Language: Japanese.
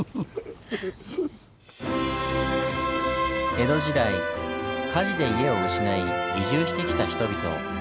江戸時代火事で家を失い移住してきた人々。